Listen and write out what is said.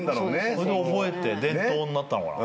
それで覚えて伝統になったのかな？